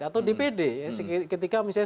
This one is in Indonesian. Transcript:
atau dpd ketika misalnya